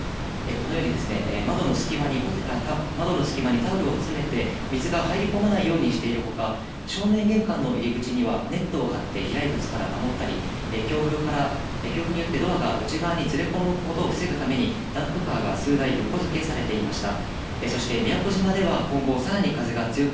このように窓の隙間にタオルを詰めて水が入り込まないようにしているほか、正面玄関の入口にはネットを張って飛来物から守ったり、強風によってドアが内側にずれ込むことを防ぐためにダンプカーが数台横付けされていました。